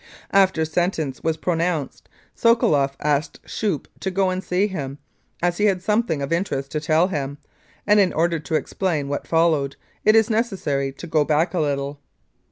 259 Mounted Police Life in Canada After sentence was pronounced, Sokoloff asked Schoeppe to go and see him, as he had something of interest to tell him, and in order to explain what followed, it is necessary to go back a little.